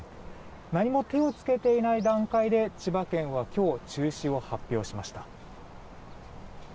何も手を付けていない段階で千葉県は今日中止を発表しました。